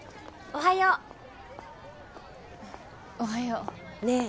おはよう。ねえ？